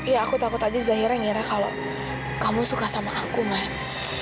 ya aku takut aja zahira ngira kalau kamu suka sama aku main